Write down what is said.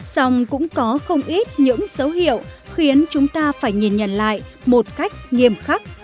xong cũng có không ít những dấu hiệu khiến chúng ta phải nhìn nhận lại một cách nghiêm khắc